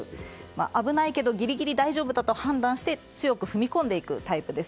危ないけどギリギリ大丈夫だと判断して強く踏み込んでいくタイプです。